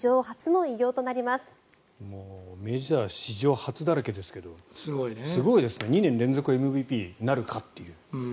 もうメジャー史上初だらけですけどすごいですね、２年連続ＭＶＰになるかっていう。